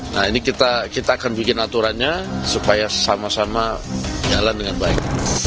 nah ini kita akan bikin aturannya supaya sama sama jalan dengan baik